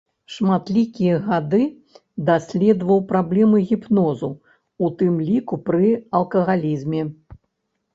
Шматлікія гады даследаваў праблемы гіпнозу, у тым ліку пры алкагалізме.